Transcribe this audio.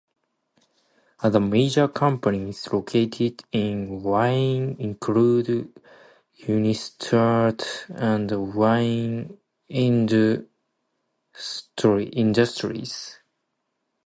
Other major companies located in Wayne include Unistrut and Wayne Industries.